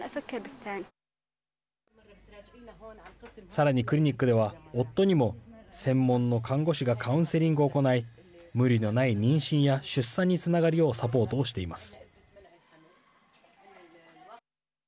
さらにクリニックでは夫にも専門の看護師がカウンセリングを行い無理のない妊娠や出産につながるようサポートをしています。